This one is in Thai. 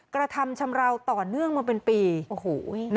กระทำชำราวต่อเนื่องมาเป็นปีโอ้โห